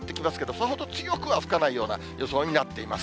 それほど強く吹かない予想になっています。